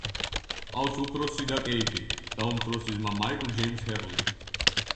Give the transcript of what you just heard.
ჰყავს უფროსი და კეიტი, და უმცროსი ძმა მაიკლ ჯეიმზ ჰერლი.